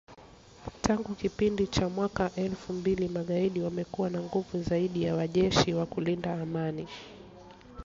Tangu kipindi cha mwaka elfu mbili, magaidi wamekuwa na nguvu zaidi ya wanajeshi wa kulinda amani